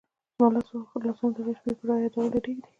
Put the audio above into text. زما لاسونه د هغې شپې په رایادېدلو رېږدي.